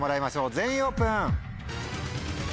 全員オープン！